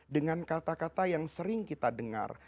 dengan kata kata yang sering kita dengar